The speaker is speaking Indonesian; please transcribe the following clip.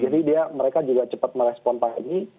jadi mereka juga cepat merespon pandemi